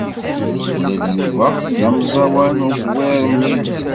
Ula d Yuba d amẓawan uẓwir mliḥ.